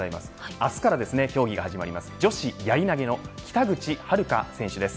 明日から競技が始まる女子やり投げの北口榛花選手です。